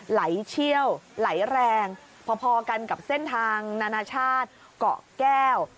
ไหลเชี่ยวไหลแรงพอกันกับเส้นทางนานาชาติเกาะแก้ว